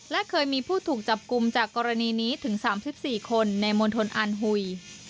และเคยมีผู้ถูกจับกลุ่มจากกรณีนี้ถึง๓๔คนในมณฑลอันหุย